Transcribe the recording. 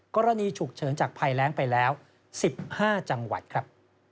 กรณีฉุกเฉินจากภัยแรงไปแล้ว๑๕จังหวัดครับ